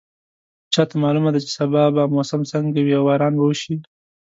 چا ته معلومه ده چې سبا به موسم څنګه وي او باران به وشي